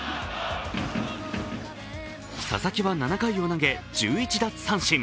佐々木は７回を投げ１１奪三振。